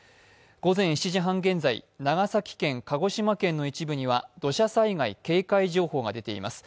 午前７時半現在、長崎県、鹿児島県の一部には土砂災害警戒情報が出ています。